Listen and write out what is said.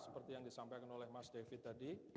seperti yang disampaikan oleh mas david tadi